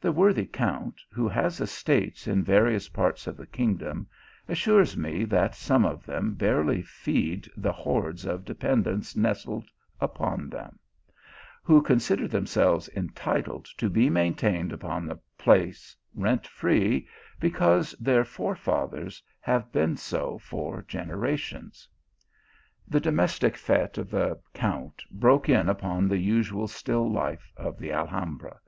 The worthy Count, who nas estates in various parts of the kingdom, assures me that some of them barely feed the hordes of de pendents nestled upon them ; who consider them selves entitled to be maintained upon the place, rent free, because their forefathers have been so for gen erations. The domestic fete of the Count broke in upon the usual still life of the Alhambra.